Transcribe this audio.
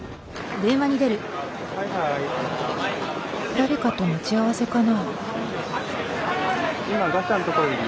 誰かと待ち合わせかな？